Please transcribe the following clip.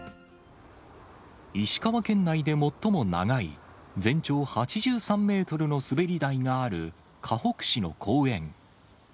石川県内で最も長い全長８３メートルの滑り台があるかほく市の公園。